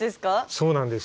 そうなんです。